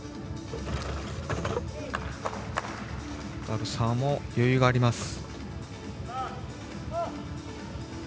バブサーも余裕があります。